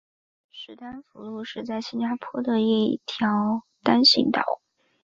史丹福路是在新加坡的一条单行道。